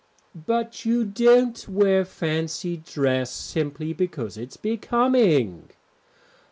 "But you don't wear fancy dress simply because it's becoming."